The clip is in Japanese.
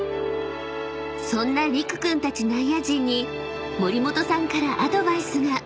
［そんなりく君たち内野陣に森本さんからアドバイスが］